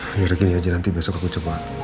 gak ada gini aja nanti besok aku coba